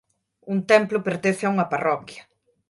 Un templo pertence a unha parroquia.